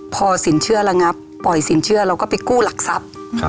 พอสินเชื่อระงับปล่อยสินเชื่อเราก็ไปกู้หลักทรัพย์